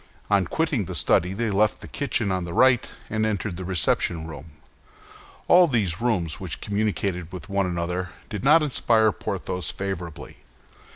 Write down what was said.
On quitting the study they left the kitchen on the right, and entered the reception room. All these rooms, which communicated with one another, did not inspire Porthos favorably.